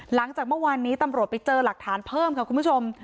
หลังจากเมื่อวานนี้ตำรวจไปเจอหลักฐานเพิ่มค่ะคุณผู้ชม